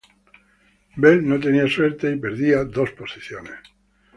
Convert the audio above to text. Bell no tenía suerte y perdía dos posiciones.